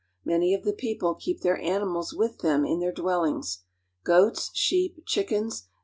Many of the people keep their aoi J mals with them iu their dwellings; goats, sheep, chickens.